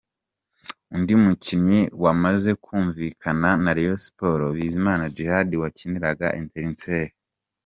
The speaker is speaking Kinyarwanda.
Undi mukinnyi wamaze kumvikana na Rayon Sports ni Bizimana Djihad wakiniraga Etincelles.